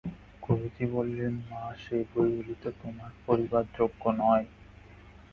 গুরুজি বলিলেন, মা, সে বইগুলি তো তোমার পড়িবার যোগ্য নয়।